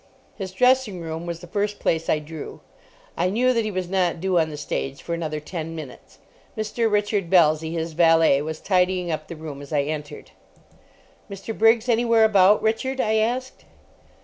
His dressing room was the first place I drew. I knew that he was not due on the stage for another ten minutes. Mr. Richard Belsey, his valet, was tidying up the room as I entered. "Mr. Briggs anywhere about, Richard?" I asked.